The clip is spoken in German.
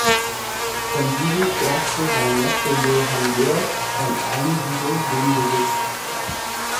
Von diesem erbte sein Neffe Johann Georg von Einsiedel den Besitz.